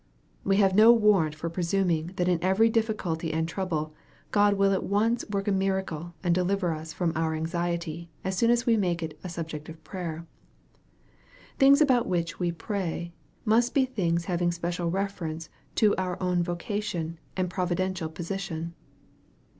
We have no war rant for presuming that in every difficulty and trouble, God will at once work a miracle and deliver us from our anxiety as soon as we make it a subject of prayer. The things about which we pray, must be things having special reference to our own vocation and providen tial position.